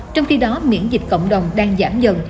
trong khi đó miễn dịch cộng đồng đang giảm dần